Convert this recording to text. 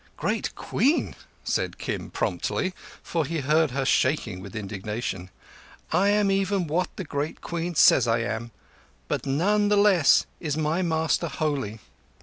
"Great Queen," said Kim promptly, for he heard her shaking with indignation, "I am even what the Great Queen says I am; but none the less is my master holy.